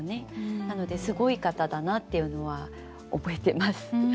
なのですごい方だなっていうのは覚えてます。